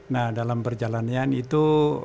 nah dalam perjalanan itu